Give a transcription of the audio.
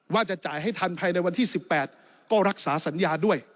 ว่าจะจ่ายให้ทันภายในวันที่๑๘ก็รักษาสัญญาด้วย